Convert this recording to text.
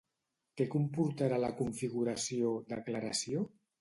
Què comportarà la configuració "declaració"?